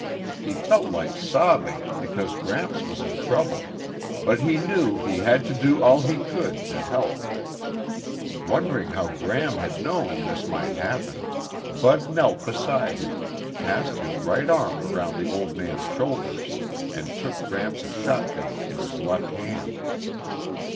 He felt like sobbing because Gramps was in trouble, but he knew he had to do all he could to help. Wondering how Gram had known this might happen, Bud knelt beside him, passed his right arm around the old man's shoulders and took Gramps' shotgun in his left hand.